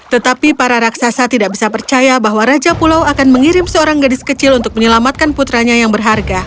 tetapi para raksasa tidak bisa percaya bahwa raja pulau akan mengirim seorang gadis kecil untuk menyelamatkan putranya yang berharga